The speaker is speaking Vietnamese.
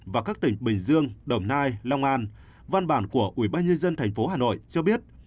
và các tỉnh bình dương đồng nai long an văn bản của ủy ban nhân dân tp hcm cho biết